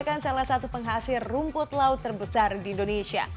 merupakan salah satu penghasil rumput laut terbesar di indonesia